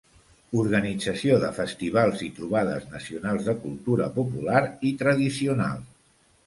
Organització de festivals i trobades nacionals de cultura popular i tradicional.